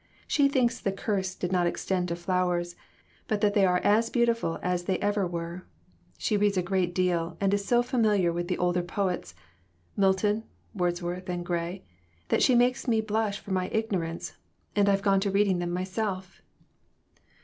She thinks the curse did not extend to flowers, but that they are as beautiful as they ever were. She reads a great deal, and is so familiar with the older poets Milton, Wordsworth and Gray that she makes me blush for my ignorance, and I've gone to reading them myself."